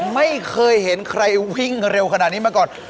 ไม่เคยเห็นใครวิ่งเร็วขนาดนี้มาก่อน